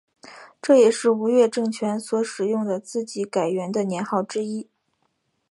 这也是吴越政权所使用的自己改元的年号之一。